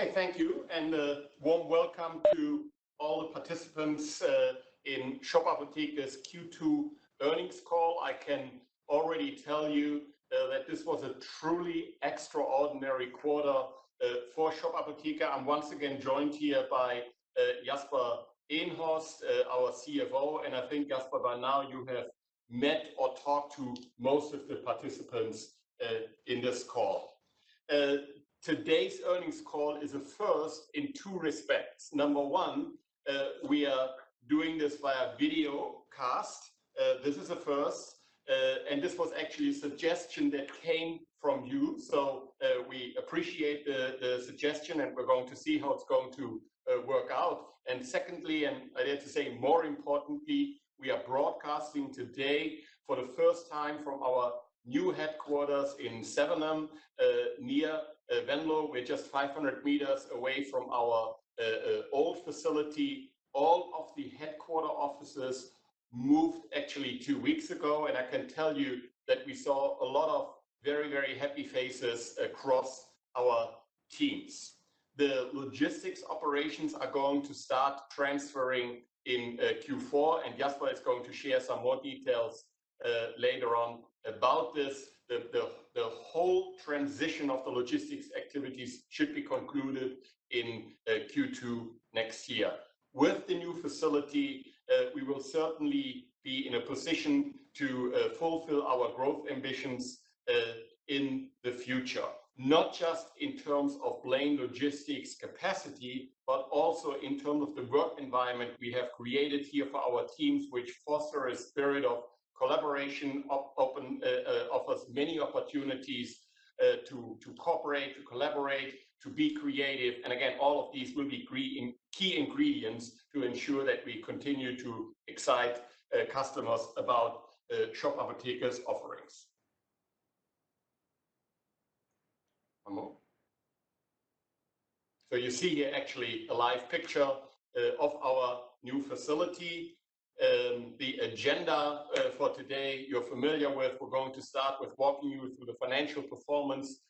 Okay, thank you, and a warm welcome to all the participants in Shop Apotheke's Q2 Earnings Call. I can already tell you that this was a truly extraordinary quarter for Shop Apotheke. I'm once again joined here by Jasper Eenhorst, our CFO, and I think, Jasper, by now you have met or talked to most of the participants in this call. Today's earnings call is a first in two respects. Number one, we are doing this via video cast. This is a first, and this was actually a suggestion that came from you, so we appreciate the suggestion, and we're going to see how it's going to work out. And secondly, and I dare to say more importantly, we are broadcasting today for the first time from our new headquarters in Sevenum, near Venlo. We're just 500 m away from our old facility. All of the headquarters offices moved, actually, two weeks ago, and I can tell you that we saw a lot of very, very happy faces across our teams. The logistics operations are going to start transferring in Q4, and Jasper is going to share some more details later on about this. The whole transition of the logistics activities should be concluded in Q2 next year. With the new facility, we will certainly be in a position to fulfill our growth ambitions in the future, not just in terms of plain logistics capacity, but also in terms of the work environment we have created here for our teams, which fosters a spirit of collaboration, offers many opportunities to cooperate, to collaborate, to be creative, and again, all of these will be key ingredients to ensure that we continue to excite customers about Shop Apotheke's offerings. So you see here, actually, a live picture of our new facility. The agenda for today, you're familiar with. We're going to start with walking you through the financial performance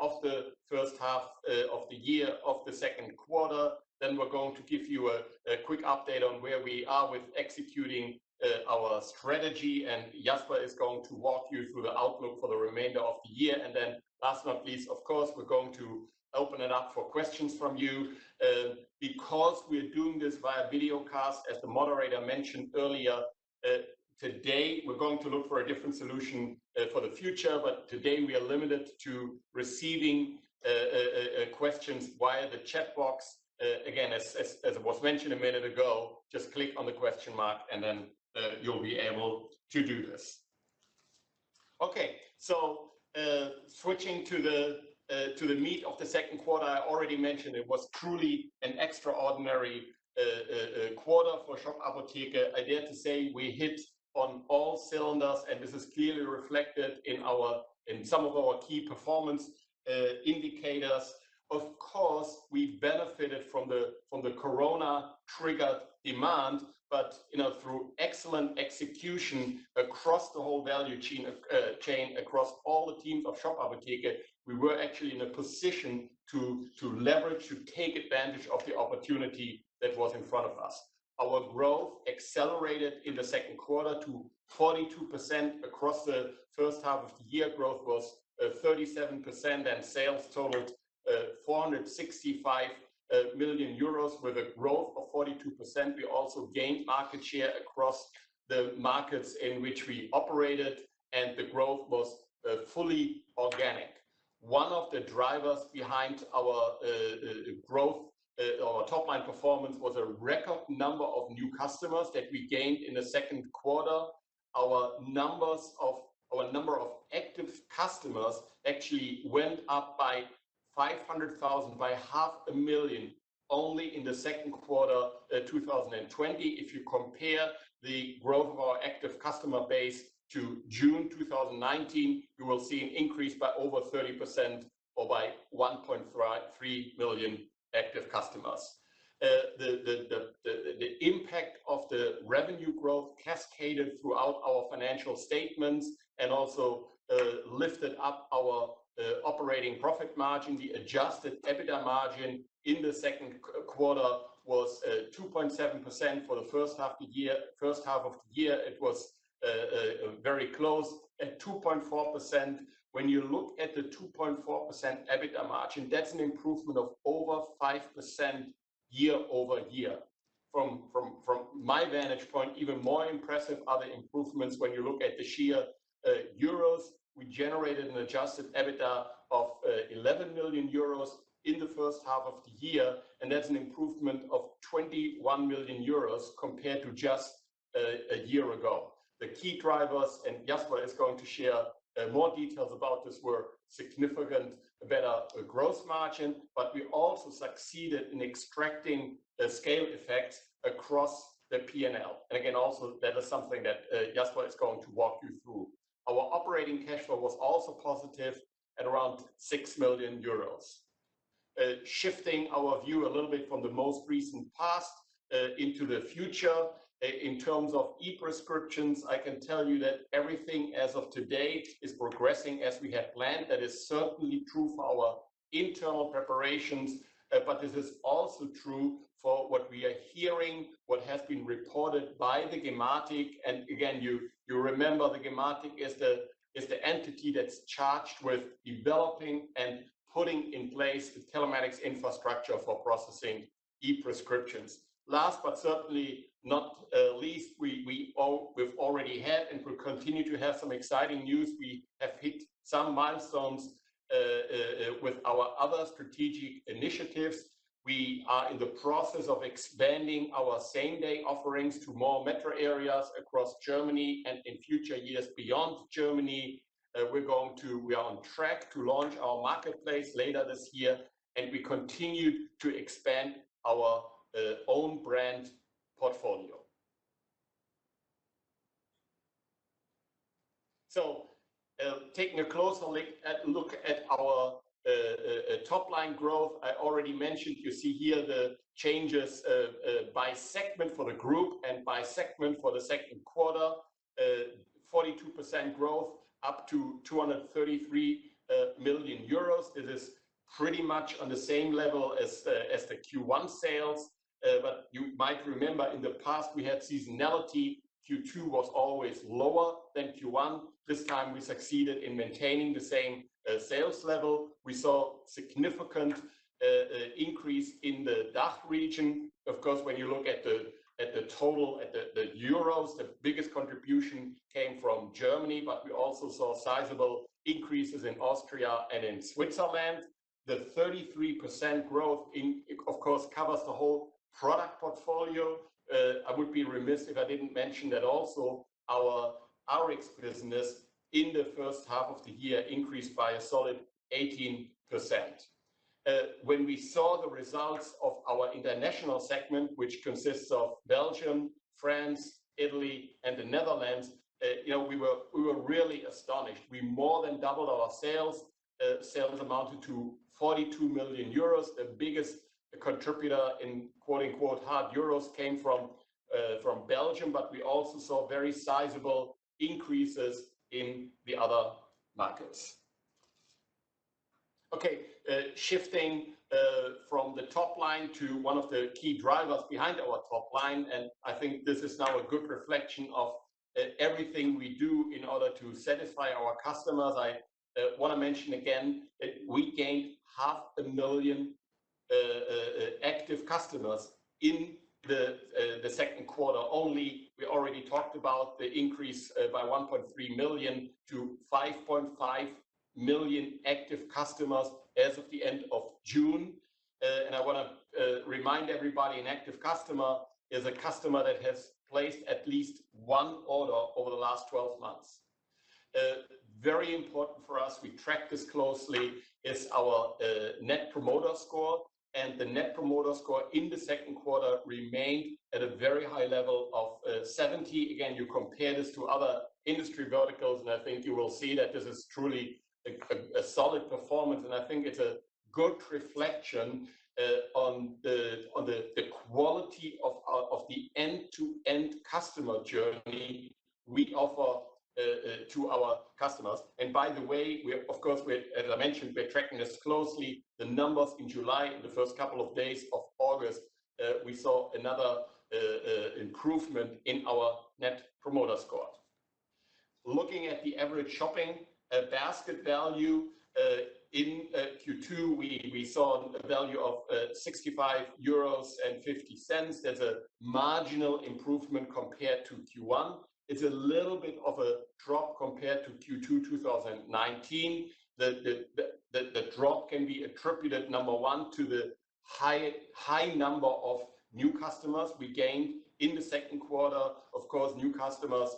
of the first half of the year, of the second quarter. Then we're going to give you a quick update on where we are with executing our strategy, and Jasper is going to walk you through the outlook for the remainder of the year. And then last but not least, of course, we're going to open it up for questions from you. Because we're doing this via video cast, as the moderator mentioned earlier, today we're going to look for a different solution for the future, but today we are limited to receiving questions via the chat box. Again, as was mentioned a minute ago, just click on the question mark, and then you'll be able to do this. Okay, so switching to the meat of the second quarter, I already mentioned it was truly an extraordinary quarter for Shop Apotheke. I dare to say we hit on all cylinders, and this is clearly reflected in some of our key performance indicators. Of course, we benefited from the corona-triggered demand, but through excellent execution across the whole value chain, across all the teams of Shop Apotheke, we were actually in a position to leverage, to take advantage of the opportunity that was in front of us. Our growth accelerated in the second quarter to 42%. Across the first half of the year, growth was 37%, and sales totaled 465 million euros, with a growth of 42%. We also gained market share across the markets in which we operated, and the growth was fully organic. One of the drivers behind our growth, our top-line performance, was a record number of new customers that we gained in the second quarter. Our number of active customers actually went up by 500,000, by 500,000 only in the second quarter 2020. If you compare the growth of our active customer base to June 2019, you will see an increase by over 30% or by 1.3 million active customers. The impact of the revenue growth cascaded throughout our financial statements and also lifted up our operating profit margin. The adjusted EBITDA margin in the second quarter was 2.7% for the first half of the year. It was very close at 2.4%. When you look at the 2.4% EBITDA margin, that's an improvement of over 5% year-over-year. From my vantage point, even more impressive are the improvements when you look at the sheer euros. We generated an Adjusted EBITDA of 11 million euros in the first half of the year, and that's an improvement of 21 million euros compared to just a year ago. The key drivers, and Jasper is going to share more details about this, were significant gross margin, but we also succeeded in extracting scale effects across the P&L. And again, also that is something that Jasper is going to walk you through. Our operating cash flow was also positive at around 6 million euros. Shifting our view a little bit from the most recent past into the future in terms of e-prescriptions, I can tell you that everything as of today is progressing as we had planned. That is certainly true for our internal preparations, but this is also true for what we are hearing, what has been reported by the Gematik. Again, you remember the Gematik is the entity that's charged with developing and putting in place the telematics infrastructure for processing e-prescriptions. Last but certainly not least, we've already had and will continue to have some exciting news. We have hit some milestones with our other strategic initiatives. We are in the process of expanding our same-day offerings to more metro areas across Germany and in future years beyond Germany. We're on track to launch our marketplace later this year, and we continue to expand our own brand portfolio. Taking a closer look at our top-line growth, I already mentioned you see here the changes by segment for the group and by segment for the second quarter, 42% growth up to 233 million euros. This is pretty much on the same level as the Q1 sales, but you might remember in the past we had seasonality. Q2 was always lower than Q1. This time we succeeded in maintaining the same sales level. We saw significant increase in the DACH region. Of course, when you look at the total, at the euros, the biggest contribution came from Germany, but we also saw sizable increases in Austria and in Switzerland. The 33% growth, of course, covers the whole product portfolio. I would be remiss if I didn't mention that also our Rx business in the first half of the year increased by a solid 18%. When we saw the results of our international segment, which consists of Belgium, France, Italy, and the Netherlands, we were really astonished. We more than doubled our sales. Sales amounted to 42 million euros. The biggest contributor in "hard euros" came from Belgium, but we also saw very sizable increases in the other markets. Okay, shifting from the top line to one of the key drivers behind our top line, and I think this is now a good reflection of everything we do in order to satisfy our customers. I want to mention again that we gained 500,000 active customers in the second quarter only. We already talked about the increase by 1.3 million to 5.5 million active customers as of the end of June, and I want to remind everybody an active customer is a customer that has placed at least one order over the last 12 months. Very important for us, we track this closely, is our Net Promoter Score. The Net Promoter Score in the second quarter remained at a very high level of 70. Again, you compare this to other industry verticals, and I think you will see that this is truly a solid performance. I think it's a good reflection on the quality of the end-to-end customer journey we offer to our customers. By the way, of course, as I mentioned, we're tracking this closely. The numbers in July, in the first couple of days of August, we saw another improvement in our Net Promoter Score. Looking at the average shopping basket value in Q2, we saw a value of 65.50 euros. That's a marginal improvement compared to Q1. It's a little bit of a drop compared to Q2 2019. The drop can be attributed, number one, to the high number of new customers we gained in the second quarter. Of course, new customers,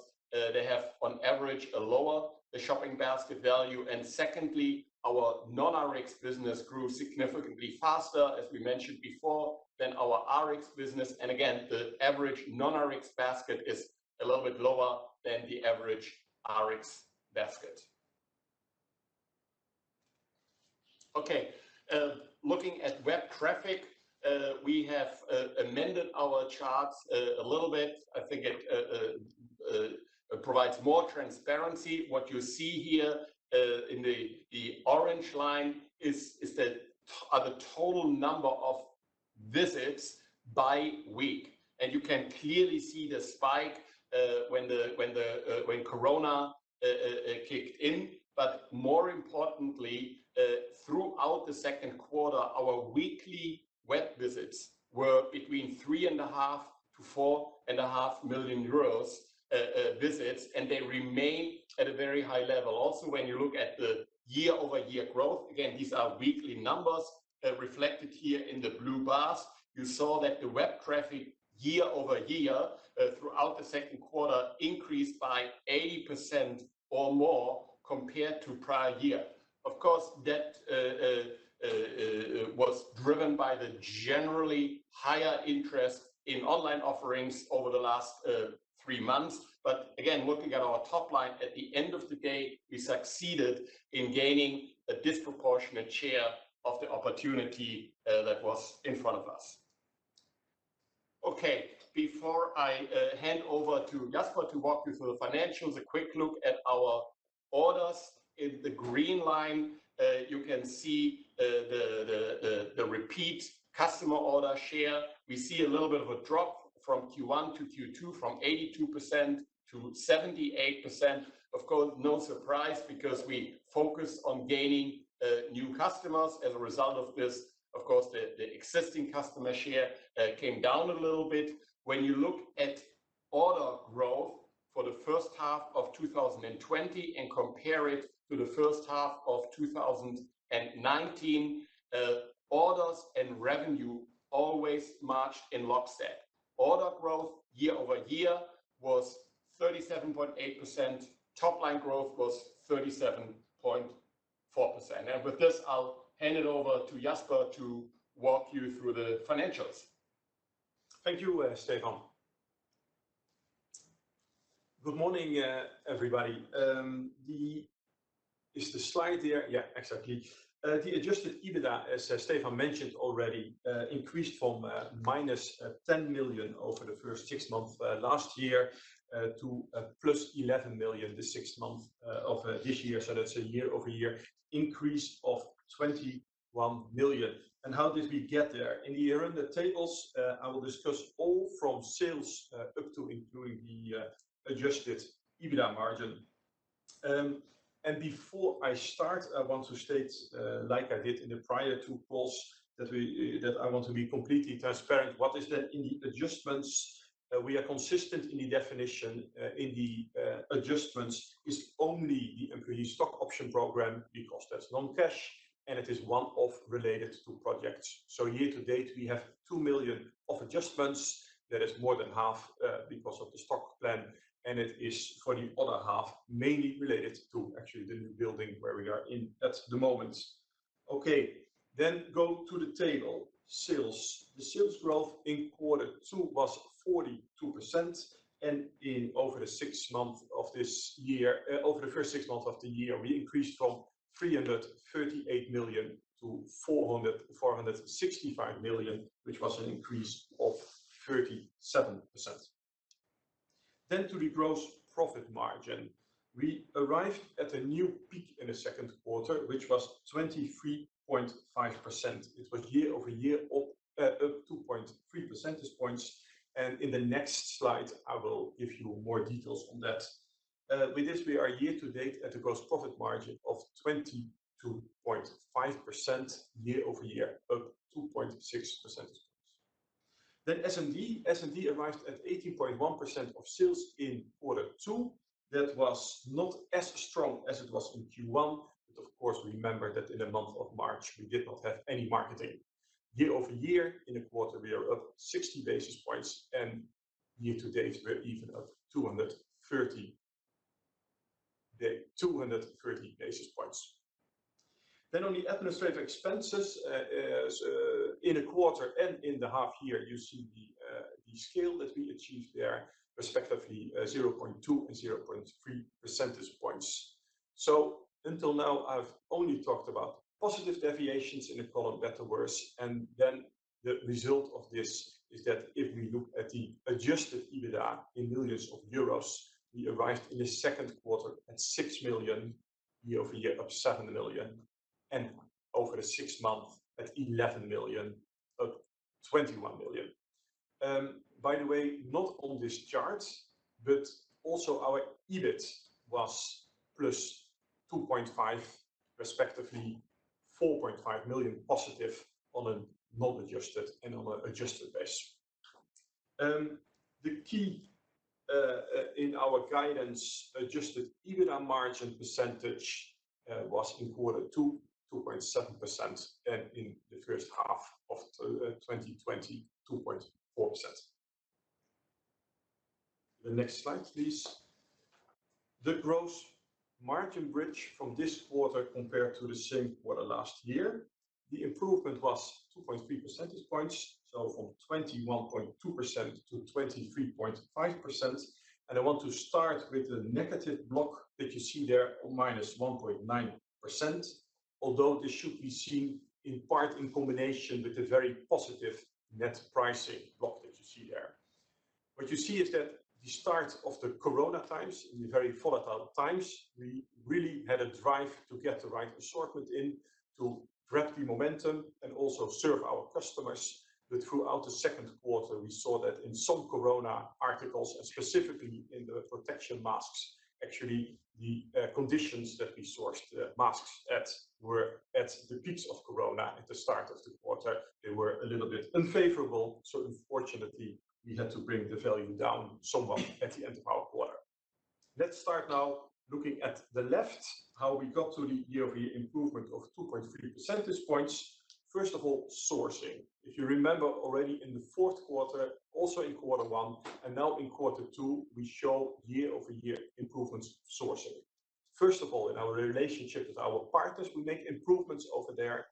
they have on average a lower shopping basket value. And secondly, our non-Rx business grew significantly faster, as we mentioned before, than our Rx business. And again, the average non-Rx basket is a little bit lower than the average Rx basket. Okay, looking at web traffic, we have amended our charts a little bit. I think it provides more transparency. What you see here in the orange line is the total number of visits by week. And you can clearly see the spike when corona kicked in. But more importantly, throughout the second quarter, our weekly web visits were between 3.5-4.5 million visits, and they remain at a very high level. Also, when you look at the year-over-year growth, again, these are weekly numbers reflected here in the blue bars. You saw that the web traffic year-over-year throughout the second quarter increased by 80% or more compared to prior year. Of course, that was driven by the generally higher interest in online offerings over the last three months. But again, looking at our top line, at the end of the day, we succeeded in gaining a disproportionate share of the opportunity that was in front of us. Okay, before I hand over to Jasper to walk you through the financials, a quick look at our orders. In the green line, you can see the repeat customer order share. We see a little bit of a drop from Q1 to Q2, from 82% to 78%. Of course, no surprise because we focused on gaining new customers. As a result of this, of course, the existing customer share came down a little bit. When you look at order growth for the first half of 2020 and compare it to the first half of 2019, orders and revenue always matched in lockstep. Order growth year-over-year was 37.8%. Top-line growth was 37.4%. With this, I'll hand it over to Jasper to walk you through the financials. Thank you, Stefan. Good morning, everybody. Is the slide there? Yeah, exactly. The Adjusted EBITDA, as Stefan mentioned already, increased from minus 10 million over the first six months last year to plus 11 million the six months of this year. So that's a year-over-year increase of 21 million. And how did we get there? In the year-end tables, I will discuss all from sales up to including the adjusted EBITDA margin. And before I start, I want to state, like I did in the prior two calls, that I want to be completely transparent. What is there in the adjustments? We are consistent in the definition. In the adjustments is only the employee stock option program because that's non-cash, and it is one-off related to projects. So year-to-date, we have 2 million of adjustments. That is more than half because of the stock plan, and it is for the other half mainly related to actually the new building where we are in at the moment. Okay, then go to the table, sales. The sales growth in quarter two was 42%, and over the six months of this year, over the first six months of the year, we increased from 338 million-465 million, which was an increase of 37%. Then, to the gross profit margin, we arrived at a new peak in the second quarter, which was 23.5%. It was year-over-year up 2.3 percentage points, and in the next slide, I will give you more details on that. With this, we are year-to-date at a gross profit margin of 22.5% year-over-year, up 2.6 percentage points, then S&D arrived at 18.1% of sales in quarter two. That was not as strong as it was in Q1. But of course, remember that in the month of March, we did not have any marketing. Year-over-year, in the quarter, we are up 60 basis points, and year-to-date, we're even at 230 basis points. Then on the administrative expenses, in the quarter and in the half year, you see the scale that we achieved there, respectively 0.2 and 0.3 percentage points. So until now, I've only talked about positive deviations in the column better words. And then the result of this is that if we look at the adjusted EBITDA in millions of euros, we arrived in the second quarter at 6 million, year-over-year up 7 million, and over the six months at 11 million, up 21 million. By the way, not on this chart, but also our EBIT was plus 2.5 million, respectively 4.5 million positive on a non-adjusted and on an adjusted base. The key in our guidance, adjusted EBITDA margin percentage was in quarter two, 2.7%, and in the first half of 2020, 2.4%. The next slide, please. The gross margin bridge from this quarter compared to the same quarter last year. The improvement was 2.3 percentage points, so from 21.2%-23.5%. And I want to start with the negative block that you see there of minus 1.9%, although this should be seen in part in combination with the very positive net pricing block that you see there. What you see is that the start of the corona times, in the very volatile times, we really had a drive to get the right assortment in to grab the momentum and also serve our customers. But throughout the second quarter, we saw that in some corona articles and specifically in the protection masks, actually the conditions that we sourced the masks at were at the peaks of corona at the start of the quarter. They were a little bit unfavorable. So, unfortunately, we had to bring the value down somewhat at the end of our quarter. Let's start now looking at the left, how we got to the year-over-year improvement of 2.3 percentage points. First of all, sourcing. If you remember, already in the fourth quarter, also in quarter one, and now in quarter two, we show year-over-year improvements of sourcing. First of all, in our relationship with our partners, we make improvements over there.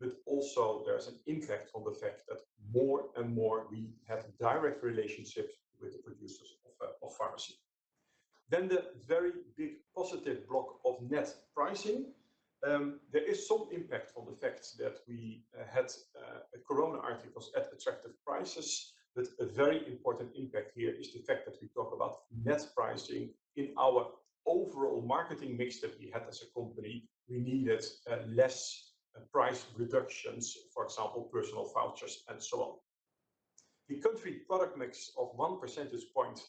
But also there's an impact on the fact that more and more we have direct relationships with the producers of pharmacy. Then the very big positive block of net pricing. There is some impact on the fact that we had corona articles at attractive prices, but a very important impact here is the fact that we talk about net pricing in our overall marketing mix that we had as a company. We needed less price reductions, for example, personal vouchers, and so on. The country product mix of 1 percentage point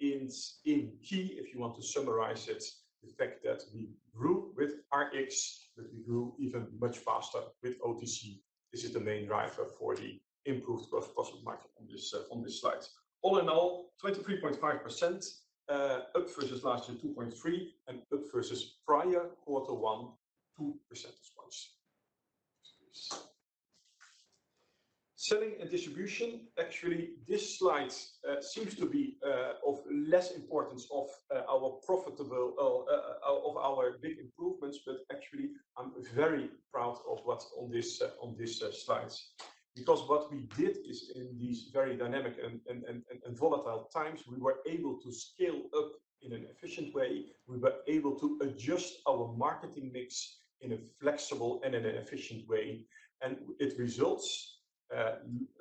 is key. If you want to summarize it, the fact that we grew with Rx, but we grew even much faster with OTC. This is the main driver for the improved gross profit margin on this slide. All in all, 23.5% up versus last year, 2.3 and up versus prior quarter one, 2 percentage points. Selling and distribution, actually, this slide seems to be of less importance of our profitable, of our big improvements, but actually, I'm very proud of what's on this slide. Because what we did is in these very dynamic and volatile times, we were able to scale up in an efficient way. We were able to adjust our marketing mix in a flexible and an efficient way. And it results,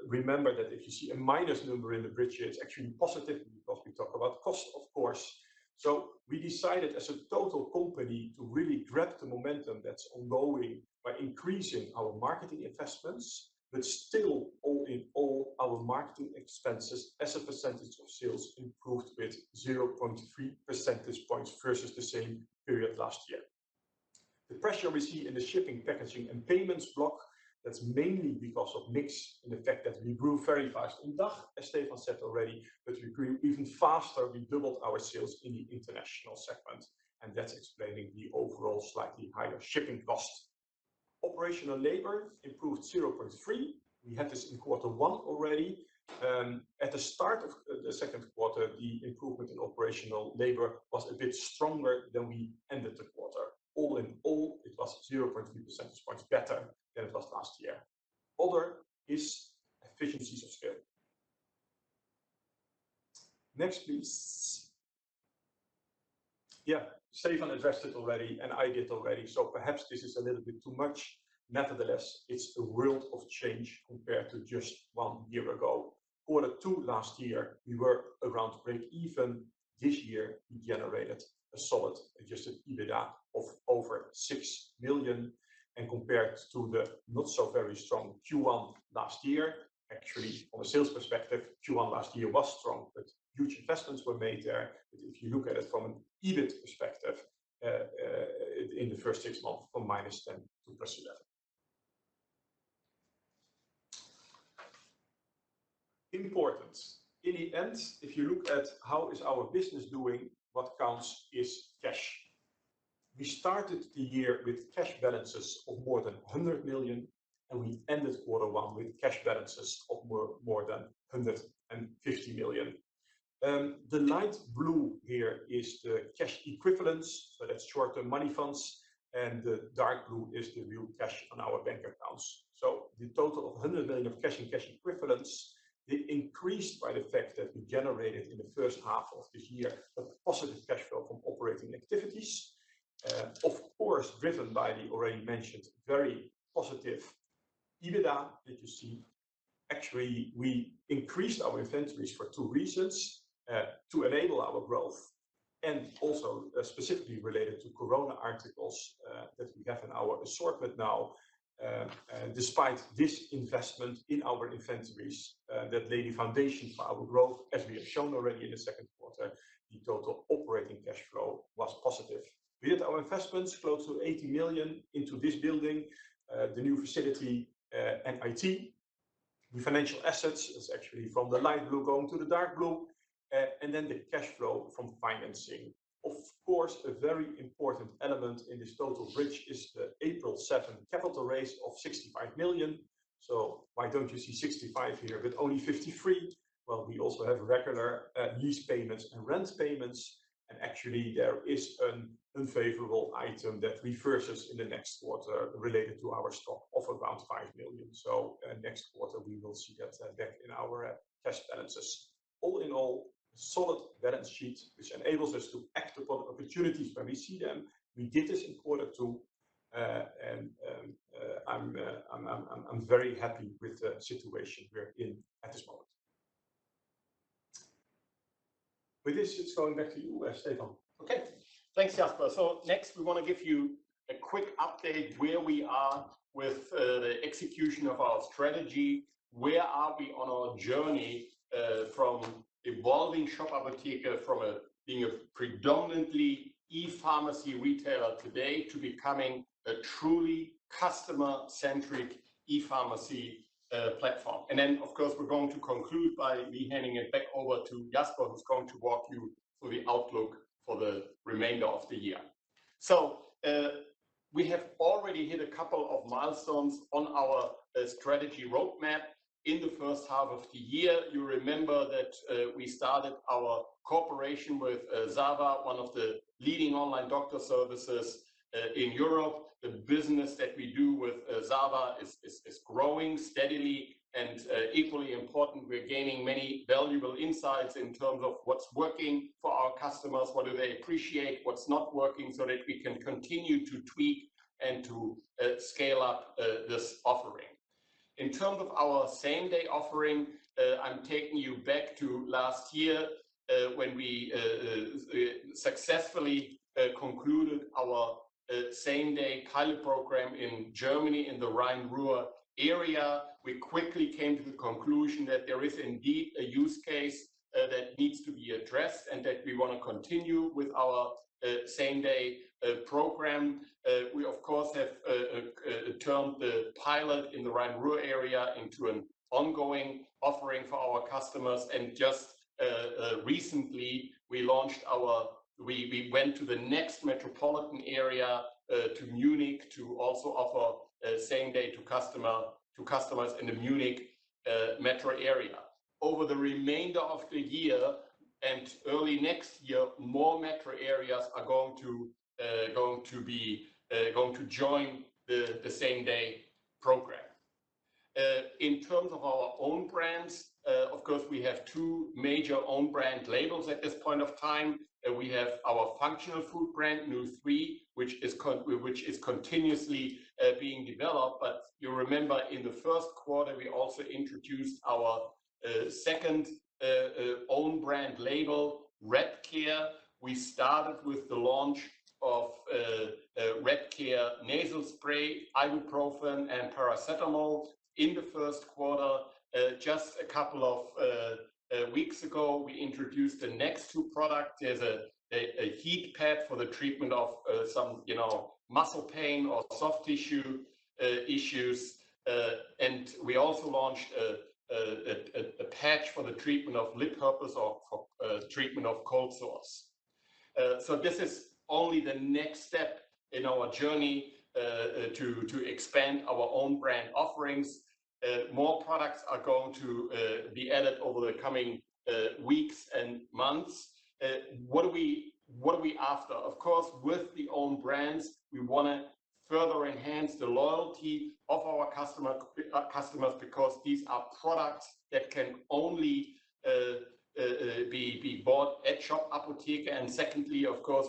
remember that if you see a minus number in the bridge, it's actually positive because we talk about cost, of course. So we decided as a total company to really grab the momentum that's ongoing by increasing our marketing investments, but still, all in all, our marketing expenses as a percentage of sales improved with 0.3 percentage points versus the same period last year. The pressure we see in the shipping, packaging, and payments block, that's mainly because of mix and the fact that we grew very fast on DACH, as Stefan said already, but we grew even faster. We doubled our sales in the international segment, and that's explaining the overall slightly higher shipping cost. Operational labor improved 0.3. We had this in quarter one already. At the start of the second quarter, the improvement in operational labor was a bit stronger than we ended the quarter. All in all, it was 0.3 percentage points better than it was last year. Other is efficiencies of scale. Next, please. Yeah, Stefan addressed it already, and I did already, so perhaps this is a little bit too much. Nevertheless, it's a world of change compared to just one year ago. Quarter two last year, we were around break-even. This year, we generated a solid adjusted EBITDA of over 6 million, and compared to the not-so-very-strong Q1 last year, actually, from a sales perspective, Q1 last year was strong, but huge investments were made there. But if you look at it from an EBIT perspective, in the first six months from minus 10 to plus 11. Important. In the end, if you look at how our business is doing, what counts is cash. We started the year with cash balances of more than 100 million, and we ended quarter one with cash balances of more than 150 million. The light blue here is the cash equivalents, so that's short-term money funds, and the dark blue is the real cash on our bank accounts. So the total of 100 million of cash and cash equivalents. They increased by the fact that we generated in the first half of this year a positive cash flow from operating activities, of course, driven by the already mentioned very positive EBITDA that you see. Actually, we increased our inventories for two reasons: to enable our growth, and also, specifically related to corona articles that we have in our assortment now. Despite this investment in our inventories that laid the foundation for our growth, as we have shown already in the second quarter, the total operating cash flow was positive. We did our investments close to 80 million into this building, the new facility, and IT. The financial assets is actually from the light blue going to the dark blue, and then the cash flow from financing. Of course, a very important element in this total bridge is the April 7 capital raise of 65 million. So why don't you see 65 here with only 53? Well, we also have regular lease payments and rent payments. Actually, there is an unfavorable item that reverses in the next quarter related to our stock of around 5 million. So next quarter, we will see that back in our cash balances. All in all, a solid balance sheet which enables us to act upon opportunities when we see them. We did this in quarter two, and I'm very happy with the situation we're in at this moment. With this, it's going back to you, Stefan. Okay. Thanks, Jasper. So next, we want to give you a quick update where we are with the execution of our strategy. Where are we on our journey from evolving Shop Apotheke from being a predominantly e-pharmacy retailer today to becoming a truly customer-centric e-pharmacy platform? And then, of course, we're going to conclude by handing it back over to Jasper, who's going to walk you through the outlook for the remainder of the year. So we have already hit a couple of milestones on our strategy roadmap in the first half of the year. You remember that we started our cooperation with ZAVA, one of the leading online doctor services in Europe. The business that we do with ZAVA is growing steadily. And equally important, we're gaining many valuable insights in terms of what's working for our customers, what do they appreciate, what's not working, so that we can continue to tweak and to scale up this offering. In terms of our same-day offering, I'm taking you back to last year when we successfully concluded our same-day pilot program in Germany in the Rhine-Ruhr area. We quickly came to the conclusion that there is indeed a use case that needs to be addressed and that we want to continue with our same-day program. We, of course, have turned the pilot in the Rhine-Ruhr area into an ongoing offering for our customers. And just recently, we went to the next metropolitan area, to Munich, to also offer same-day to customers in the Munich metro area. Over the remainder of the year and early next year, more metro areas are going to join the same-day program. In terms of our own brands, of course, we have two major own-brand labels at this point of time. We have our functional food brand, nu3, which is continuously being developed. But you remember in the first quarter, we also introduced our second own brand label, Redcare. We started with the launch of Redcare nasal spray, ibuprofen, and paracetamol in the first quarter. Just a couple of weeks ago, we introduced the next two products. There's a heat pad for the treatment of some muscle pain or soft tissue issues. And we also launched a patch for the treatment of lip herpes or for treatment of cold sores. So this is only the next step in our journey to expand our own brand offerings. More products are going to be added over the coming weeks and months. What are we after? Of course, with the own brands, we want to further enhance the loyalty of our customers because these are products that can only be bought at Shop Apotheke. And secondly, of course,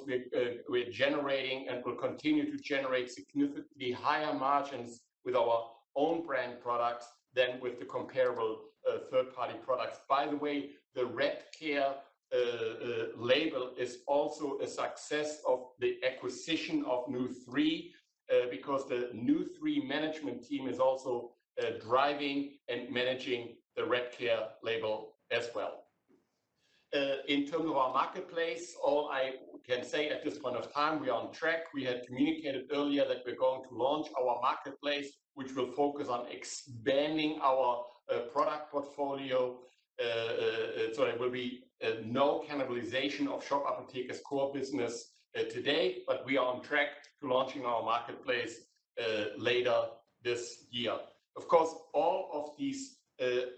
we're generating and will continue to generate significantly higher margins with our own brand products than with the comparable third-party products. By the way, the Redcare label is also a success of the acquisition of nu3 because the nu3 management team is also driving and managing the Redcare label as well. In terms of our marketplace, all I can say at this point of time, we are on track. We had communicated earlier that we're going to launch our marketplace, which will focus on expanding our product portfolio. So there will be no cannibalization of Shop Apotheke's core business today, but we are on track to launching our marketplace later this year. Of course, all of these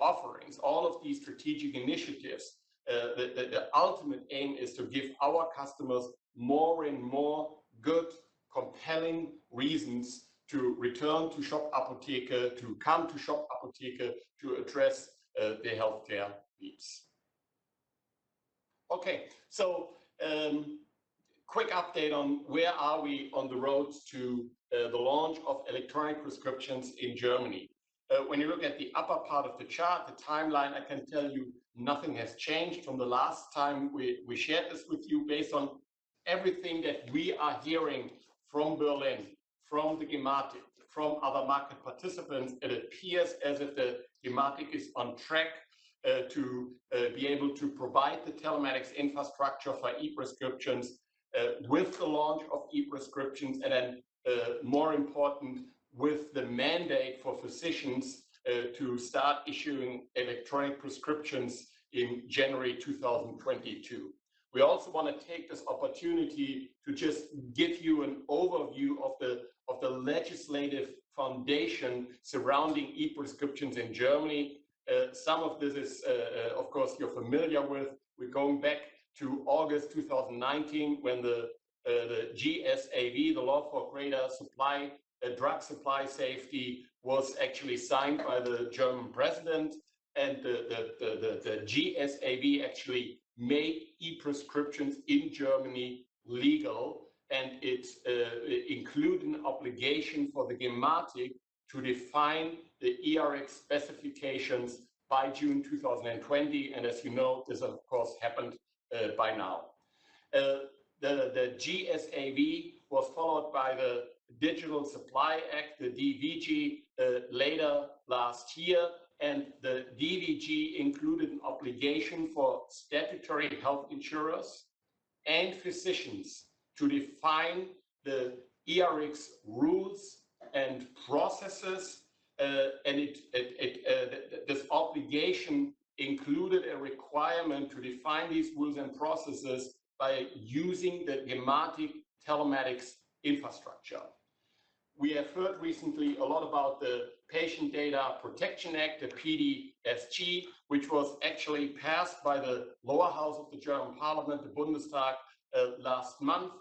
offerings, all of these strategic initiatives, the ultimate aim is to give our customers more and more good, compelling reasons to return to Shop Apotheke, to come to Shop Apotheke, to address their healthcare needs. Okay. So quick update on where are we on the road to the launch of electronic prescriptions in Germany. When you look at the upper part of the chart, the timeline, I can tell you nothing has changed from the last time we shared this with you. Based on everything that we are hearing from Berlin, from the Gematik, from other market participants, it appears as if the Gematik is on track to be able to provide the telematics infrastructure for e-prescriptions with the launch of e-prescriptions, and then, more important, with the mandate for physicians to start issuing electronic prescriptions in January 2022. We also want to take this opportunity to just give you an overview of the legislative foundation surrounding e-prescriptions in Germany. Some of this is, of course, you're familiar with. We're going back to August 2019 when the GSAV, the law for greater drug supply safety, was actually signed by the German president. The GSAV actually made e-prescriptions in Germany legal, and it included an obligation for the Gematik to define the eRx specifications by June 2020. As you know, this, of course, happened by now. The GSAV was followed by the Digital Supply Act, the DVG, later last year. The DVG included an obligation for statutory health insurers and physicians to define the eRx rules and processes. This obligation included a requirement to define these rules and processes by using the Gematik Telematics Infrastructure. We have heard recently a lot about the Patient Data Protection Act, the PDSG, which was actually passed by the lower house of the German parliament, the Bundestag, last month.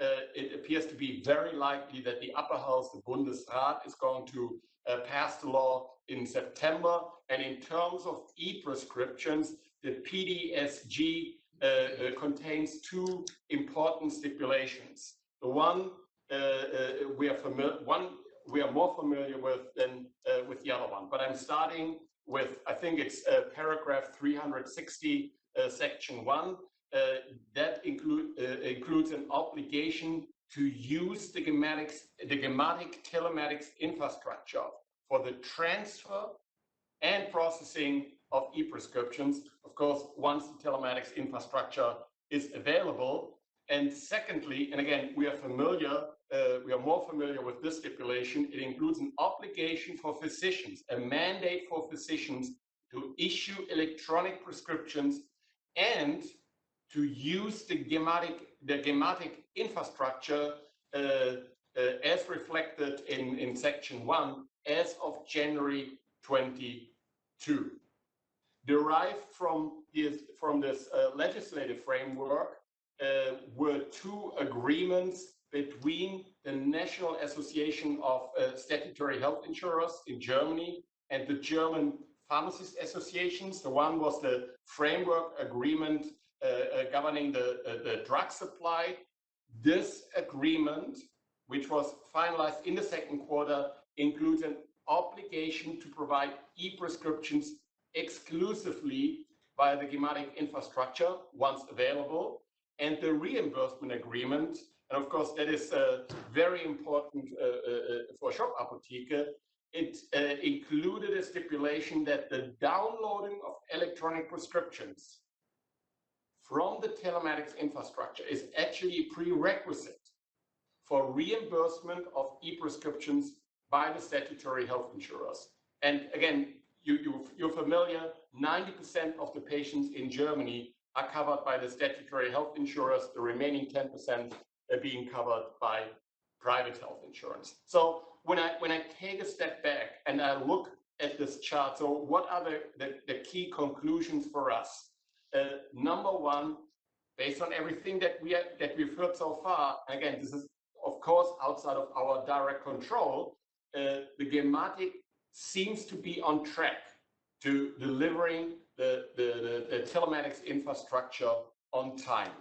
It appears to be very likely that the upper house, the Bundesrat, is going to pass the law in September. In terms of e-prescriptions, the PDSG contains two important stipulations. The one we are more familiar with than with the other one. But I'm starting with, I think it's Paragraph 360, Section 1. That includes an obligation to use the Gematik Telematics Infrastructure for the transfer and processing of e-prescriptions, of course, once the telematics infrastructure is available. And secondly, and again, we are more familiar with this stipulation. It includes an obligation for physicians, a mandate for physicians to issue electronic prescriptions and to use the Gematik Infrastructure as reflected in Section 1 as of January 2022. Derived from this legislative framework were two agreements between the National Association of Statutory Health Insurers in Germany and the German Pharmacist Associations. The one was the framework agreement governing the drug supply. This agreement, which was finalized in the second quarter, includes an obligation to provide e-prescriptions exclusively via the Gematik infrastructure once available. And the reimbursement agreement, and of course, that is very important for Shop Apotheke, it included a stipulation that the downloading of electronic prescriptions from the Telematics Infrastructure is actually a prerequisite for reimbursement of e-prescriptions by the Statutory Health Insurers. And again, you're familiar, 90% of the patients in Germany are covered by the Statutory Health Insurers. The remaining 10% are being covered by private health insurance. So when I take a step back and I look at this chart, so what are the key conclusions for us? Number one, based on everything that we've heard so far, again, this is, of course, outside of our direct control, the Gematik seems to be on track to delivering the Telematics Infrastructure on time.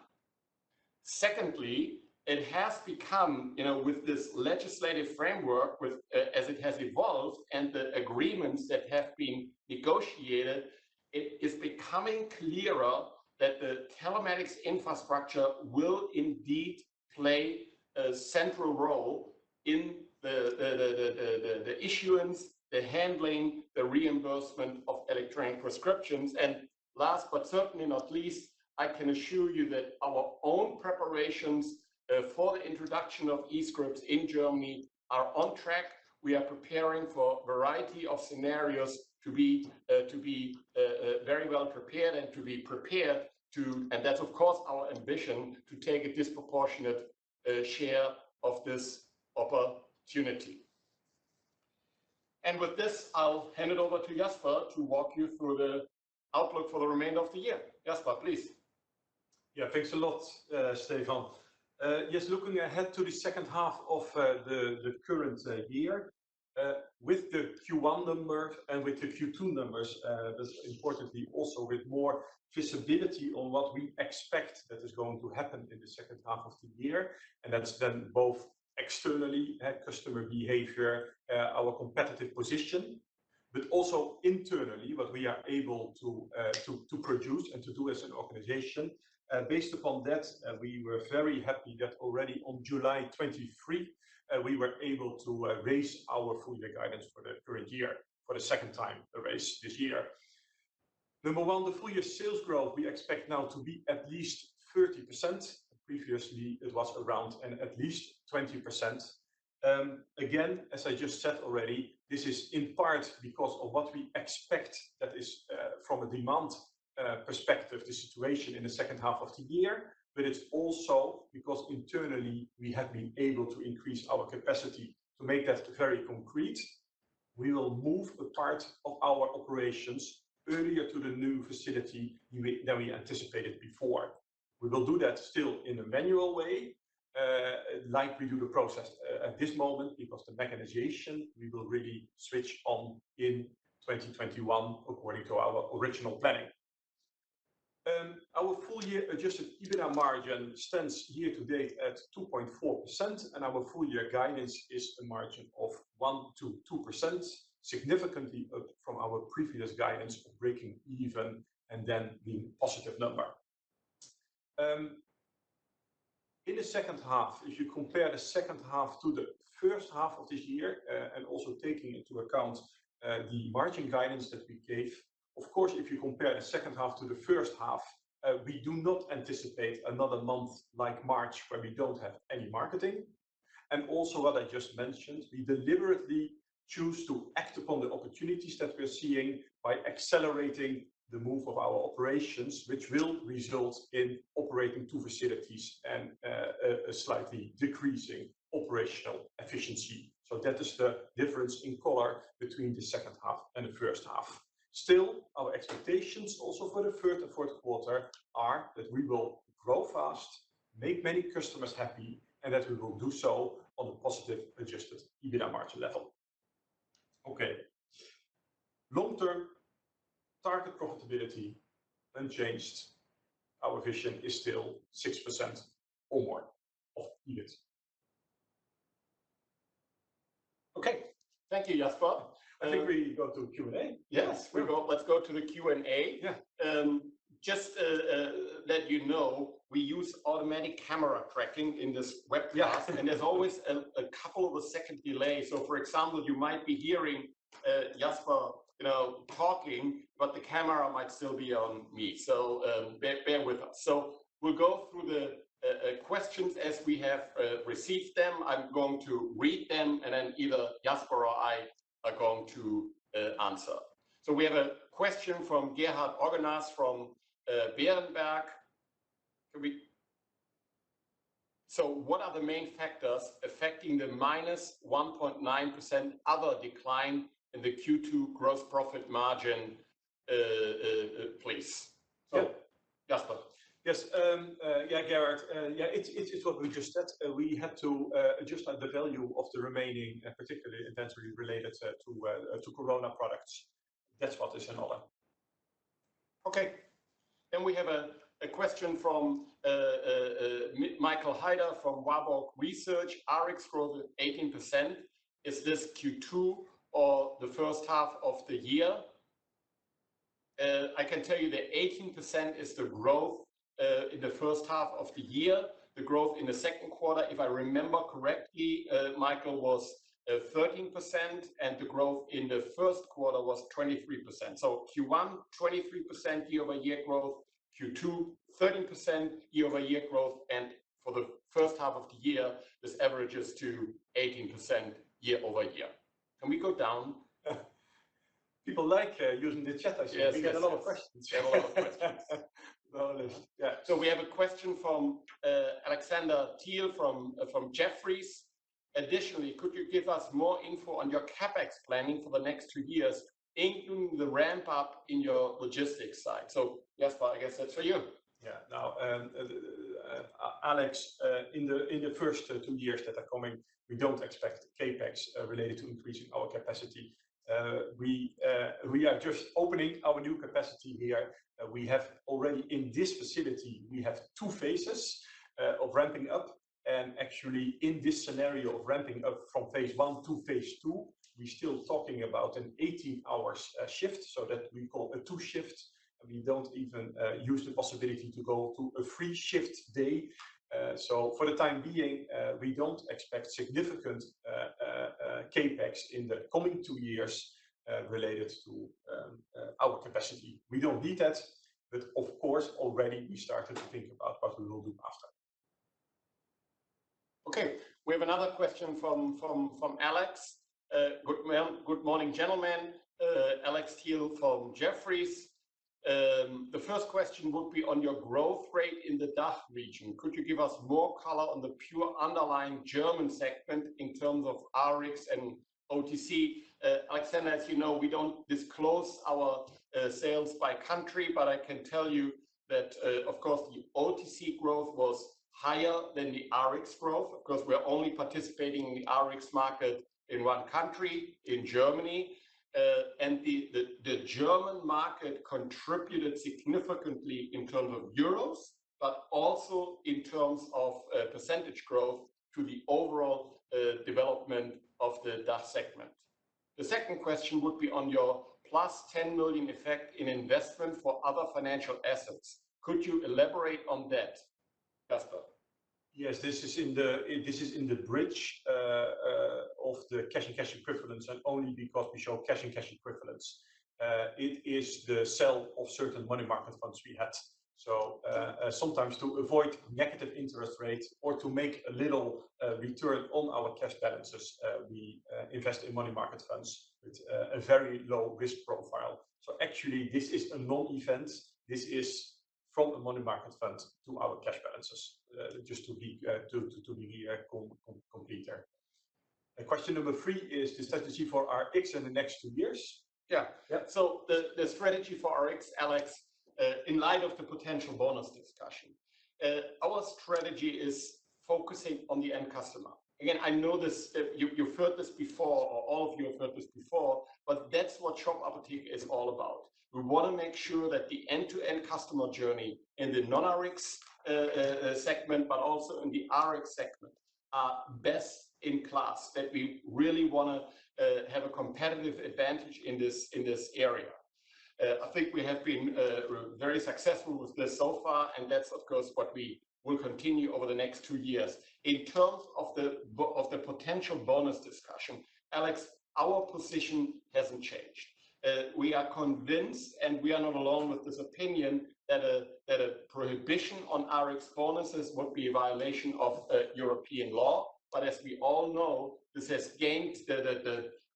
Secondly, it has become, with this legislative framework, as it has evolved and the agreements that have been negotiated, it is becoming clearer that the Telematics Infrastructure will indeed play a central role in the issuance, the handling, the reimbursement of electronic prescriptions. Last but certainly not least, I can assure you that our own preparations for the introduction of e-scripts in Germany are on track. We are preparing for a variety of scenarios to be very well prepared and to be prepared to, and that's, of course, our ambition, to take a disproportionate share of this opportunity. With this, I'll hand it over to Jasper to walk you through the outlook for the remainder of the year. Jasper, please. Yeah, thanks a lot, Stefan.Yes, looking ahead to the second half of the current year, with the Q1 numbers and with the Q2 numbers, but importantly, also with more visibility on what we expect that is going to happen in the second half of the year, and that's then both externally, customer behavior, our competitive position, but also internally, what we are able to produce and to do as an organization. Based upon that, we were very happy that already on July 23, we were able to raise our full-year guidance for the current year for the second time to raise this year. Number one, the full-year sales growth we expect now to be at least 30%. Previously, it was around at least 20%. Again, as I just said already, this is in part because of what we expect that is from a demand perspective, the situation in the second half of the year, but it's also because internally, we have been able to increase our capacity to make that very concrete. We will move a part of our operations earlier to the new facility than we anticipated before. We will do that still in a manual way, like we do the process at this moment, because the mechanization, we will really switch on in 2021 according to our original planning. Our full-year adjusted EBITDA margin stands year to date at 2.4%, and our full-year guidance is a margin of 1%-2%, significantly up from our previous guidance of breaking even and then being a positive number. In the second half, if you compare the second half to the first half of this year, and also taking into account the margin guidance that we gave, of course, if you compare the second half to the first half, we do not anticipate another month like March, where we don't have any marketing. And also what I just mentioned, we deliberately choose to act upon the opportunities that we're seeing by accelerating the move of our operations, which will result in operating two facilities and a slightly decreasing operational efficiency. So that is the difference in color between the second half and the first half. Still, our expectations also for the third and fourth quarter are that we will grow fast, make many customers happy, and that we will do so on a positive adjusted EBITDA margin level. Okay. Long-term target profitability unchanged. Our vision is still 6% or more of EBIT. Okay. Thank you, Jasper. I think we go to Q&A. Yes, let's go to the Q&A. Just to let you know, we use automatic camera tracking in this webcast, and there's always a couple of second delay. So for example, you might be hearing Jasper talking, but the camera might still be on me. So bear with us. So we'll go through the questions as we have received them. I'm going to read them, and then either Jasper or I are going to answer. So we have a question from Gerhard Orgonas from Berenberg. So what are the main factors affecting the minus 1.9% other decline in the Q2 gross profit margin, please? So Jasper. Yes. Yeah, Gerhard. Yeah, it's what we just said. We had to adjust the value of the remaining, particularly inventory related to corona products. Then we have a question from Michael Heider from Warburg Research. Rx growth of 18%. Is this Q2 or the first half of the year? I can tell you the 18% is the growth in the first half of the year. The growth in the second quarter, if I remember correctly, Michael was 13%, and the growth in the first quarter was 23%. So Q1, 23% year-over-year growth. Q2, 13% year-over-year growth. And for the first half of the year, this averages to 18% year-over-year. Can we go down? People like using the chat, I see. We get a lot of questions. We have a lot of questions. Yeah. So we have a question from Alexander Thiel from Jefferies. Additionally, could you give us more info on your CapEx planning for the next two years, including the ramp-up in your logistics side? So Jasper, I guess that's for you. Yeah. Now, Alex, in the first two years that are coming, we don't expect CapEx related to increasing our capacity. We are just opening our new capacity here. We have already in this facility, we have two phases of ramping up. And actually, in this scenario of ramping up from phase I to phase II, we're still talking about an 18-hour shift so that we call a two-shift. We don't even use the possibility to go to a three-shift day. So for the time being, we don't expect significant CapEx in the coming two years related to our capacity. We don't need that. But of course, already we started to think about what we will do after. Okay. We have another question from Alex. Good morning, gentlemen. Alex Thiel from Jefferies. The first question would be on your growth rate in the DACH region. Could you give us more color on the pure underlying German segment in terms of Rx and OTC? Alexander, as you know, we don't disclose our sales by country, but I can tell you that, of course, the OTC growth was higher than the Rx growth because we're only participating in the Rx market in one country, in Germany. And the German market contributed significantly in terms of euros, but also in terms of percentage growth, to the overall development of the DACH segment. The second question would be on your plus 10 million effect in investment for other financial assets. Could you elaborate on that, Jasper? Yes, this is in the bridge of the cash and cash equivalents and only because we show cash and cash equivalents. It is the sale of certain money market funds we had. So sometimes to avoid negative interest rates or to make a little return on our cash balances, we invest in money market funds with a very low risk profile. So actually, this is a non-event. This is from a money market fund to our cash balances, just to be complete. Question number three is the strategy for Rx in the next two years. Yeah. So the strategy for Rx, Alex, in light of the potential bonus discussion, our strategy is focusing on the end customer. Again, I know this, you've heard this before, or all of you have heard this before, but that's what Shop Apotheke is all about. We want to make sure that the end-to-end customer journey in the non-Rx segment, but also in the Rx segment, are best in class, that we really want to have a competitive advantage in this area. I think we have been very successful with this so far, and that's, of course, what we will continue over the next two years. In terms of the potential bonus discussion, Alex, our position hasn't changed. We are convinced, and we are not alone with this opinion, that a prohibition on Rx bonuses would be a violation of European law. But as we all know, this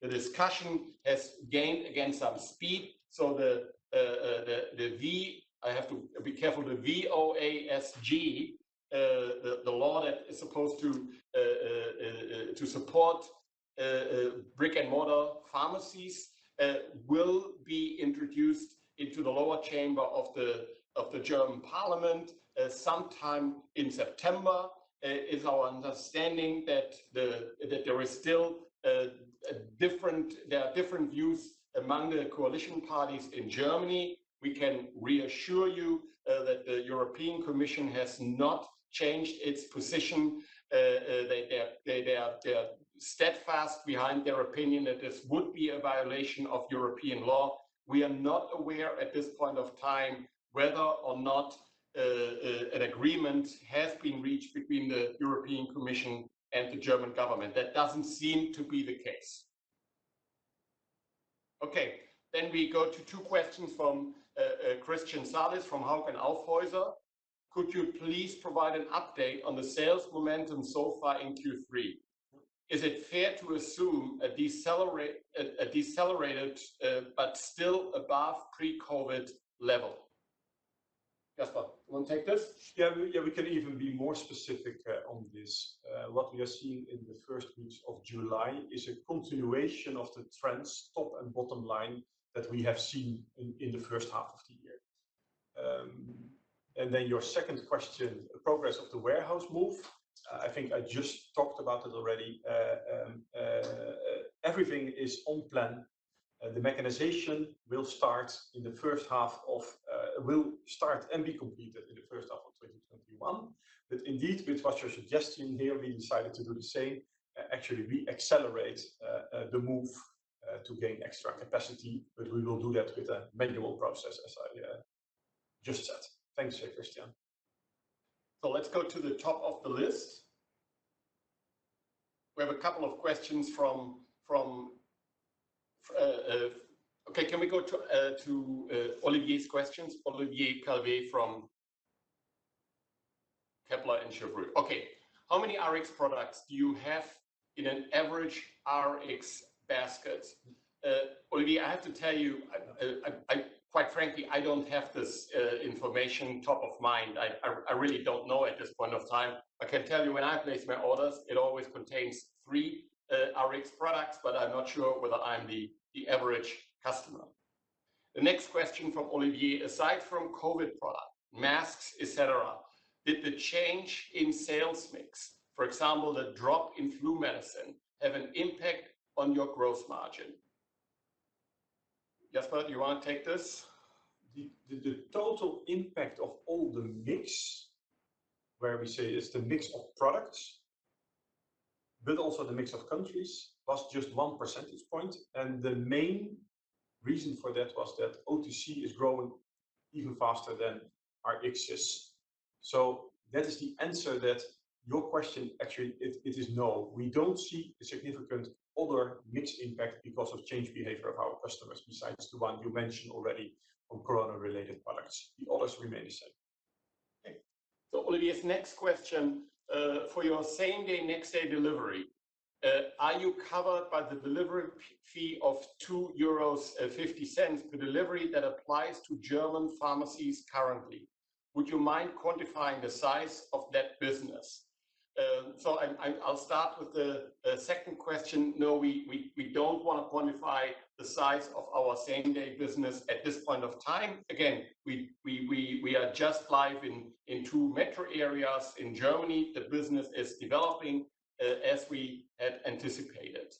discussion has gained some speed. So the V, I have to be careful, the VOASG, the law that is supposed to support brick-and-mortar pharmacies, will be introduced into the lower chamber of the German parliament sometime in September. It's our understanding that there is still a difference. There are different views among the coalition parties in Germany. We can reassure you that the European Commission has not changed its position. They are steadfast behind their opinion that this would be a violation of European law. We are not aware at this point of time whether or not an agreement has been reached between the European Commission and the German government. That doesn't seem to be the case. Okay. Then we go to two questions from Christian Salis from Hauck & Aufhäuser. Could you please provide an update on the sales momentum so far in Q3? Is it fair to assume a decelerated but still above pre-COVID level? Jasper, you want to take this? Yeah, we can even be more specific on this. What we are seeing in the first weeks of July is a continuation of the trends, top and bottom line, that we have seen in the first half of the year, and then your second question, progress of the warehouse move. I think I just talked about it already. Everything is on plan. The mechanization will start in the first half of 2021 and be completed in the first half of 2021, but indeed, with what your suggestion here, we decided to do the same. Actually, we accelerate the move to gain extra capacity, but we will do that with a manual process, as I just said. Thanks, Jay Christian. So let's go to the top of the list. We have a couple of questions from. Okay, can we go to Olivier's questions? Olivier Calvet from Kepler Cheuvreux. Okay. How many Rx products do you have in an average Rx basket? Olivier, I have to tell you, quite frankly, I don't have this information top of mind. I really don't know at this point of time. I can tell you when I place my orders, it always contains three Rx products, but I'm not sure whether I'm the average customer. The next question from Olivier, aside from COVID products, masks, etc., did the change in sales mix, for example, the drop in flu medicine, have an impact on your gross margin? Jasper, you want to take this? The total impact of all the mix, where we say it's the mix of products, but also the mix of countries, was just one percentage point, and the main reason for that was that OTC is growing even faster than Rx is. That is the answer to your question. Actually, it is no. We don't see a significant net impact because of changed behavior of our customers, besides the one you mentioned already on corona-related products. The others remain the same. Okay. Olivier's next question for your same-day, next-day delivery. Are you covered by the delivery fee of 2.50 euros per delivery that applies to German pharmacies currently? Would you mind quantifying the size of that business? I'll start with the second question. No, we don't want to quantify the size of our same-day business at this point of time. Again, we are just live in two metro areas in Germany. The business is developing as we had anticipated.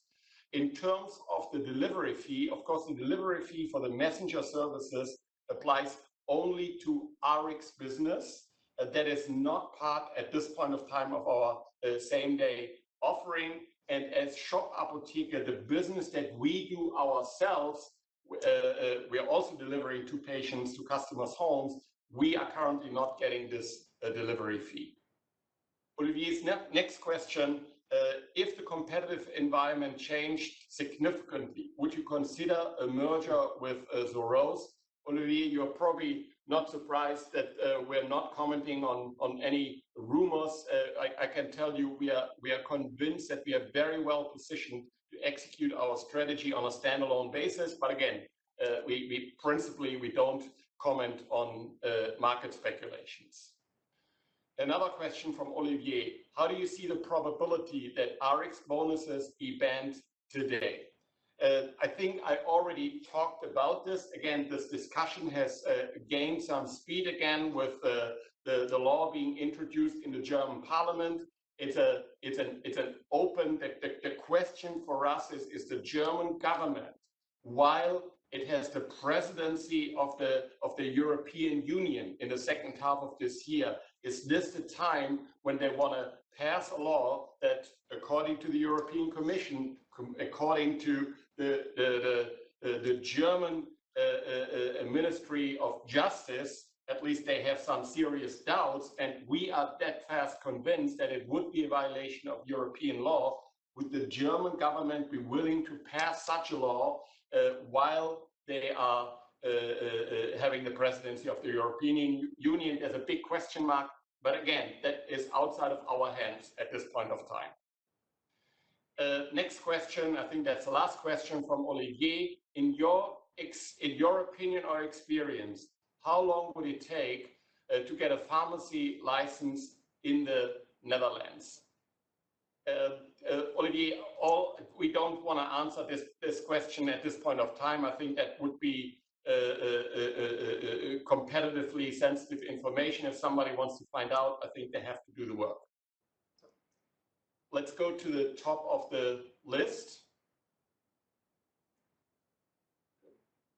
In terms of the delivery fee, of course, the delivery fee for the messenger services applies only to Rx business. That is not part at this point of time of our same-day offering. And as Shop Apotheke, the business that we do ourselves, we're also delivering to patients, to customers' homes. We are currently not getting this delivery fee. Olivier's next question, if the competitive environment changed significantly, would you consider a merger with Zur Rose? Olivier, you're probably not surprised that we're not commenting on any rumors. I can tell you we are convinced that we are very well positioned to execute our strategy on a standalone basis. But again, principally, we don't comment on market speculations. Another question from Olivier. How do you see the probability that Rx bonuses be banned today? I think I already talked about this. Again, this discussion has gained some speed again with the law being introduced in the German parliament. It's an open question for us: is the German government, while it has the presidency of the European Union in the second half of this year, the time when they want to pass a law that, according to the European Commission, according to the German Ministry of Justice, at least they have some serious doubts? And we are that fast convinced that it would be a violation of European law. Would the German government be willing to pass such a law while they are having the presidency of the European Union? There's a big question mark. But again, that is outside of our hands at this point of time. Next question. I think that's the last question from Olivier. In your opinion or experience, how long would it take to get a pharmacy license in the Netherlands? Olivier, we don't want to answer this question at this point of time. I think that would be competitively sensitive information. If somebody wants to find out, I think they have to do the work. Let's go to the top of the list.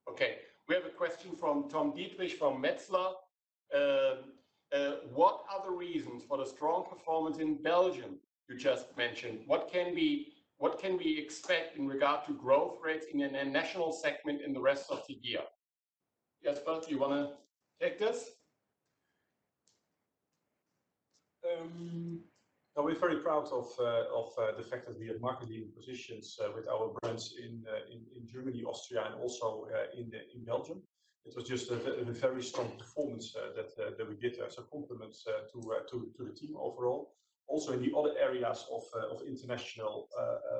Okay. We have a question from Tom Diedrich from Metzler. What are the reasons for the strong performance in Belgium you just mentioned? What can we expect in regard to growth rates in the International segment in the rest of the year? Jasper, you want to take this? We're very proud of the fact that we have market positions with our brands in Germany, Austria, and also in Belgium. It was just a very strong performance that we did. That's a compliment to the team overall. Also, in the other areas of international,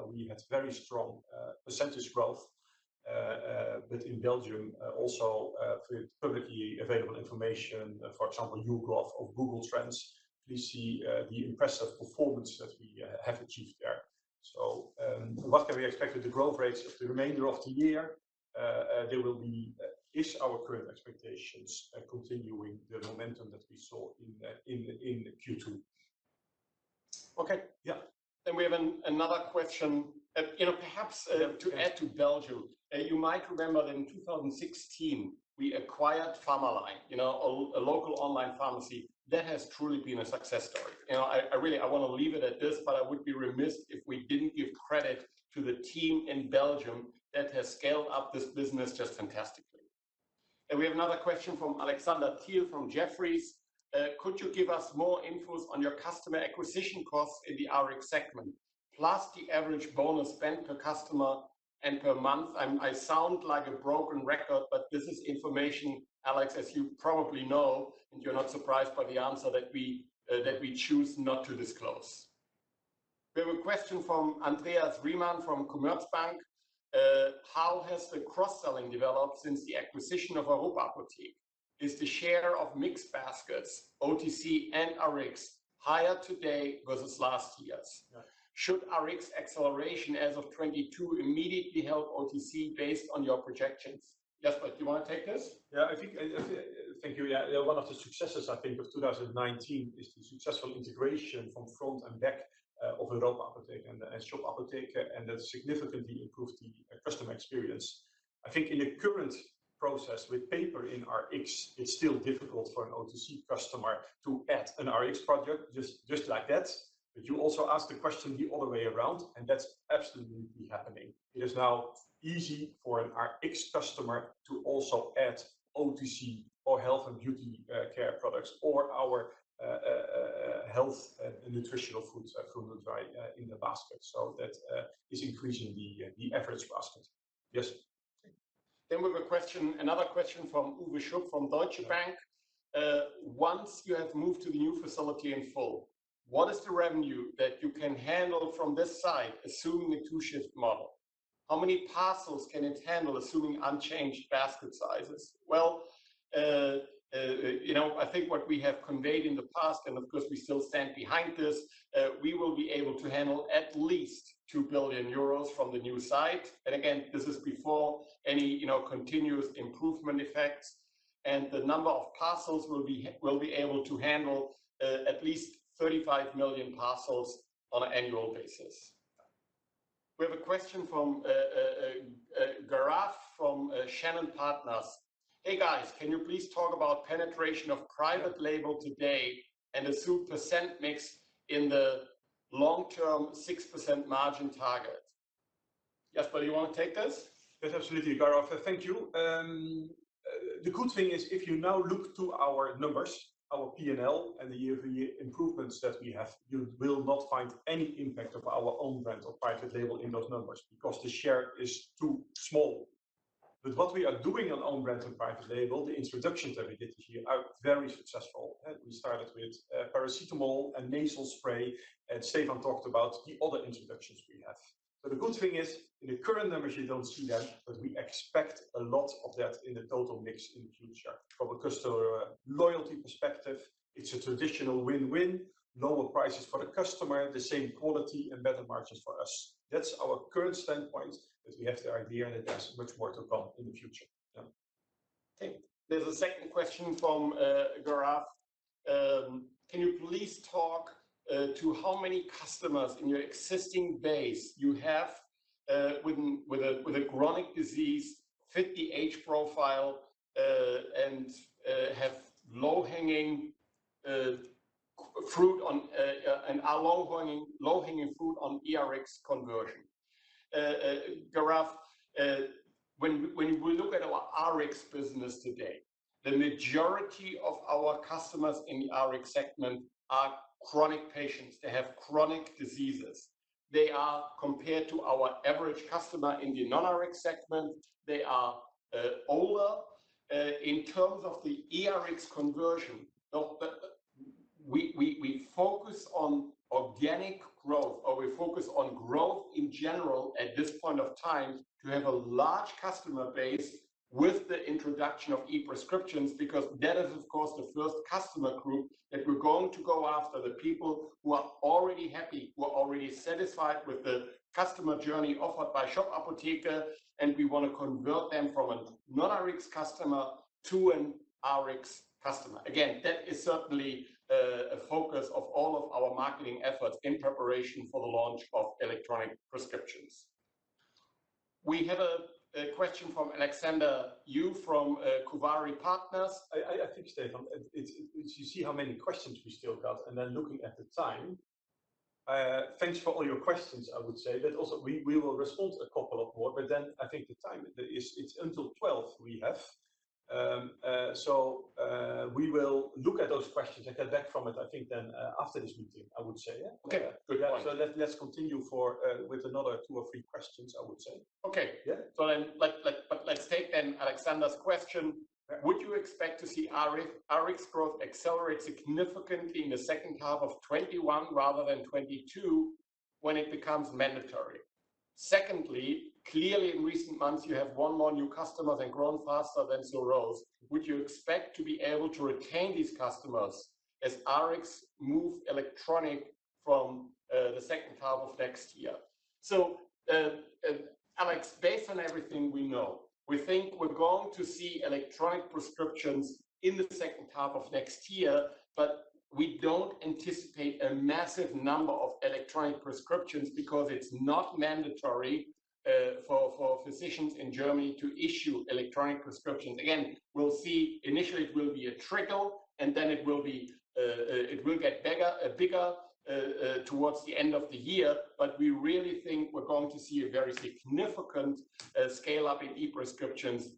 we had very strong percentage growth. But in Belgium, also with publicly available information, for example, YouGov or Google Trends, please see the impressive performance that we have achieved there. So what can we expect with the growth rates of the remainder of the year? There will be, is our current expectations continuing the momentum that we saw in Q2? Okay. Yeah. And we have another question. Perhaps to add to Belgium, you might remember that in 2016, we acquired Farmaline, a local online pharmacy. That has truly been a success story. I really want to leave it at this, but I would be remiss if we didn't give credit to the team in Belgium that has scaled up this business just fantastically. And we have another question from Alexander Thiel from Jefferies. Could you give us more info on your customer acquisition costs in the Rx segment, plus the average bonus spent per customer and per month? I sound like a broken record, but this is information, Alex, as you probably know, and you're not surprised by the answer that we choose not to disclose. We have a question from Andreas Riemann from Commerzbank. How has the cross-selling developed since the acquisition of Europa Apotheek? Is the share of mixed baskets, OTC and Rx, higher today versus last years? Should Rx acceleration as of 2022 immediately help OTC based on your projections? Jasper, do you want to take this? Yeah, I think thank you. Yeah, one of the successes, I think, of 2019 is the successful integration from front and back of Europa Apotheek and Shop Apotheke, and that significantly improved the customer experience. I think in the current process with paper RX, it's still difficult for an OTC customer to add an RX product just like that. But you also asked the question the other way around, and that's absolutely happening. It is now easy for an RX customer to also add OTC or health and beauty care products or our health and nutritional foods in the basket. So that is increasing the average basket. Yes. Then we have another question from Uwe Schupp from Deutsche Bank. Once you have moved to the new facility in full, what is the revenue that you can handle from this side, assuming the two-shift model? How many parcels can it handle, assuming unchanged basket sizes? I think what we have conveyed in the past, and of course, we still stand behind this, we will be able to handle at least €2 billion from the new site. Again, this is before any continuous improvement effects. The number of parcels we'll be able to handle at least 35 million parcels on an annual basis. We have a question from Gaurav from Shannon Partners. Hey, guys, can you please talk about penetration of private label today and the 2% mix in the long-term 6% margin target? Jasper, do you want to take this? Yes, absolutely, Gaurav. Thank you. The good thing is if you now look to our numbers, our P&L, and the year-over-year improvements that we have, you will not find any impact of our own brand or private label in those numbers because the share is too small. But what we are doing on own brand and private label, the introductions that we did this year are very successful. We started with paracetamol and nasal spray, and Stefan talked about the other introductions we have. So the good thing is in the current numbers, you don't see that, but we expect a lot of that in the total mix in the future. From a customer loyalty perspective, it's a traditional win-win: lower prices for the customer, the same quality, and better margins for us. That's our current standpoint, but we have the idea that there's much more to come in the future. Okay. There's a second question from Gaurav. Can you please talk to how many customers in your existing base you have with a chronic disease, fit the age profile, and have low-hanging fruit on eRx conversion? Gaurav, when we look at our Rx business today, the majority of our customers in the Rx segment are chronic patients. They have chronic diseases. They are compared to our average customer in the non-Rx segment. They are older. In terms of the eRx conversion, we focus on organic growth, or we focus on growth in general at this point of time to have a large customer base with the introduction of e-prescriptions because that is, of course, the first customer group that we're going to go after, the people who are already happy, who are already satisfied with the customer journey offered by Shop Apotheke, and we want to convert them from a non-Rx customer to an Rx customer. Again, that is certainly a focus of all of our marketing efforts in preparation for the launch of electronic prescriptions. We have a question from Alexander Hugh from Kuvari Partners. I think, Stefan, you see how many questions we still got, and then looking at the time, thanks for all your questions, I would say. But also, we will respond to a couple of more, but then I think the time, it's until 12:00 P.M. we have. So we will look at those questions and get back from it, I think, then after this meeting, I would say. Okay. Good. So let's continue with another two or three questions, I would say. Okay. So then let's take then Alexander's question. Would you expect to see Rx growth accelerate significantly in the second half of 2021 rather than 2022 when it becomes mandatory? Secondly, clearly in recent months, you have one more new customer than grown faster than Zur Rose. Would you expect to be able to retain these customers as Rx move electronic from the second half of next year? So Alex, based on everything we know, we think we're going to see electronic prescriptions in the second half of next year, but we don't anticipate a massive number of electronic prescriptions because it's not mandatory for physicians in Germany to issue electronic prescriptions. Again, we'll see. Initially, it will be a trickle, and then it will get bigger towards the end of the year. But we really think we're going to see a very significant scale-up in e-prescriptions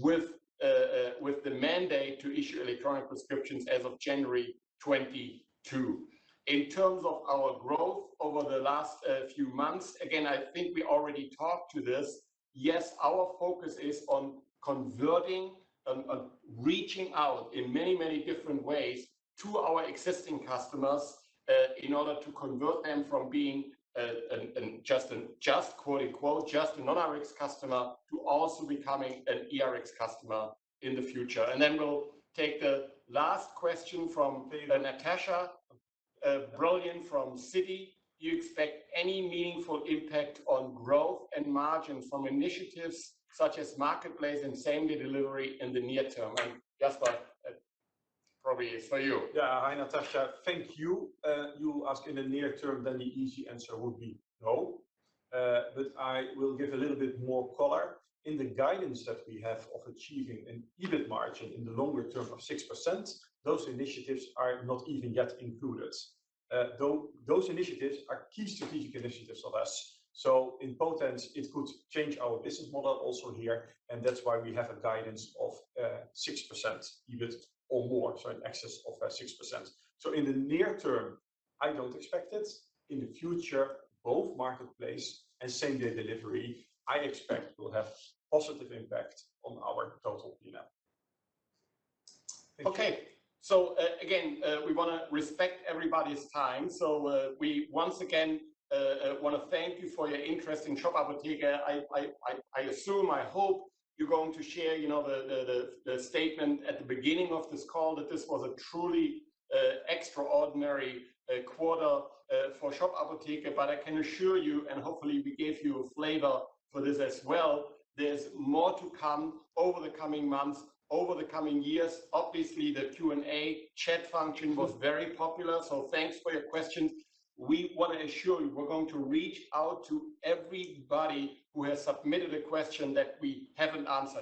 with the mandate to issue electronic prescriptions as of January 2022. In terms of our growth over the last few months, again, I think we already talked to this. Yes, our focus is on converting and reaching out in many, many different ways to our existing customers in order to convert them from being just a quote-unquote, just a non-Rx customer to also becoming an eRx customer in the future. Then we'll take the last question from Natasha Brilliant from Citi. Do you expect any meaningful impact on growth and margins from initiatives such as marketplace and same-day delivery in the near term? And Jasper, probably it's for you. Yeah. Hi, Natasha. Thank you. You ask in the near term, then the easy answer would be no, but I will give a little bit more color. In the guidance that we have of achieving an EBIT margin in the longer term of 6%, those initiatives are not even yet included. Those initiatives are key strategic initiatives of us. So in potentia, it could change our business model also here, and that's why we have a guidance of 6% EBIT or more, so in excess of 6%. So in the near term, I don't expect it. In the future, both marketplace and same-day delivery, I expect, will have a positive impact on our total P&L. Okay. So again, we want to respect everybody's time. So we once again want to thank you for your interest in Shop Apotheke. I assume, I hope you're going to share the statement at the beginning of this call that this was a truly extraordinary quarter for Shop Apotheke. But I can assure you, and hopefully, we gave you a flavor for this as well. There's more to come over the coming months, over the coming years. Obviously, the Q&A chat function was very popular. So thanks for your questions. We want to assure you we're going to reach out to everybody who has submitted a question that we haven't answered.